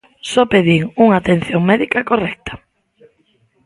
Só pedín unha atención médica correcta.